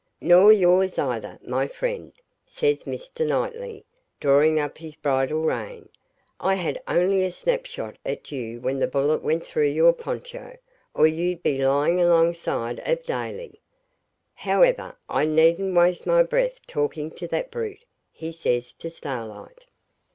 'Nor yours either, my friend,' says Mr. Knightley, drawing up his bridle rein. 'I had only a snap shot at you when that bullet went through your poncho, or you'd be lying alongside of Daly. However, I needn't waste my breath talking to that brute,' he says to Starlight.